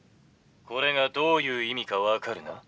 「これがどういう意味か分かるな？